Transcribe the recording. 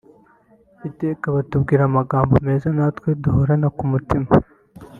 Iteka batubwira amagambo meza natwe duhorana ku mutima